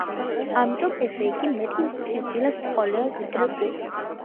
ამიტომ, ესე იგი, მეტი წიწილა გვყოლია ვიდრე კუ.